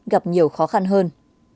gặp nhiều khó khăn hơn